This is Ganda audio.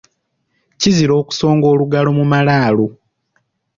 Kizira okusonga olugalo mu malaalo.